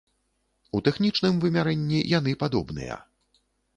У тэхнічным вымярэнні яны падобныя.